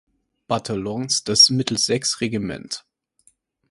Bataillons des "Middlesex Regiment".